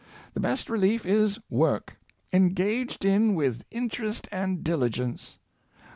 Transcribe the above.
The best relief is ivork^ engaged in with interest and diligence.